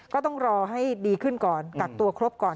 ก็ต้องรอให้ดีขึ้นก่อนกักตัวครบก่อน